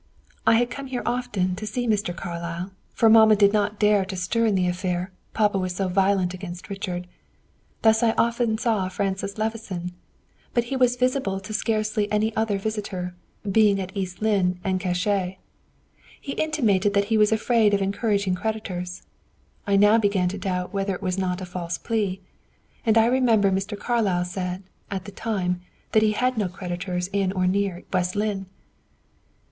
I had to come here often to see Mr. Carlyle, for mamma did not dare to stir in the affair, papa was so violent against Richard. Thus I often saw Francis Levison; but he was visible to scarcely any other visitor, being at East Lynne en cachette. He intimated that he was afraid of encountering creditors. I now begin to doubt whether that was not a false plea; and I remember Mr. Carlyle said, at the time, that he had no creditors in or near West Lynne."